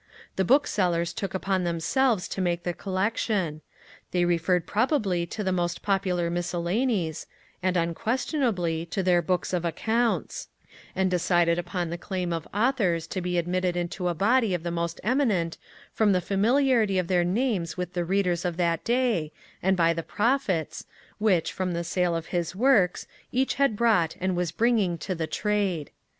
The booksellers took upon themselves to make the collection; they referred probably to the most popular miscellanies, and, unquestionably, to their books of accounts; and decided upon the claim of authors to be admitted into a body of the most eminent, from the familiarity of their names with the readers of that day, and by the profits, which, from the sale of his works, each had brought and was bringing to the Trade.